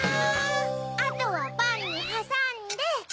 あとはパンにはさんで。